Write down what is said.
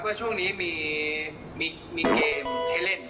ช่วงนี้มีเกมให้เล่น